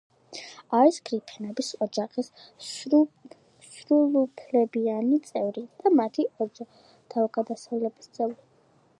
არის გრიფინების ოჯახის სრულუფლებიან წევრი და მათი თავგადასავლების წევრი.